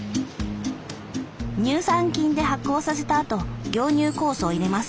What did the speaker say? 乳酸菌で発酵させたあと凝乳酵素を入れます。